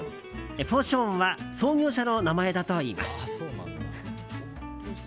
フォションは創業者の名前だといいます。